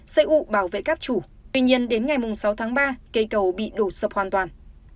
xây ủ bảo vệ cáp chủ tuy nhiên đến ngày sáu tháng ba cây cầu bị đổ sập hoàn toàn